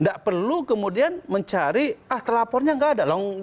tidak perlu kemudian mencari ah telapornya tidak ada